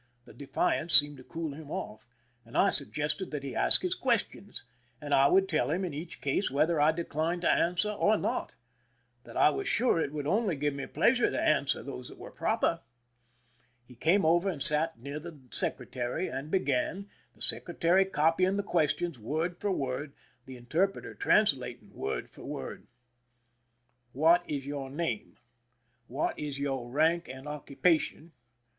The defiance seemed to cool him off, and I suggested that he ask his questions, and I would teE'. him in each case whether I declined to answer or not ; that I was sure it would only give me pleasure to answer those that were proper. He came over and sat near the secretary, and began, the secretary copying the questions word for word, the interpreter translating word for word :" What is your name ?"" What is your rank and occupa 185 THE SINKING OF THE "MEREIMAC" tion